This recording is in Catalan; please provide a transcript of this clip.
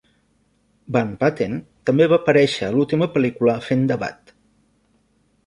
Van Patten també va aparèixer a l'última pel·lícula fent d'abat.